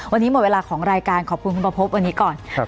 วันนี้หมดเวลาของรายการขอบคุณคุณประพบวันนี้ก่อนครับ